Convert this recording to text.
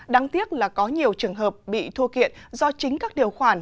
đáng tiếc là có nhiều trường hợp bị thua kiện do chính các điều khoản